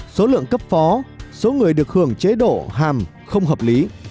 số lượng cấp phó số người được hưởng chế độ hàm không hợp lý